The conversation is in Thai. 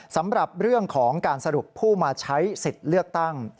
สำหรับเรื่องของการสรุปผู้มาใช้สิทธิ์เลือกตั้ง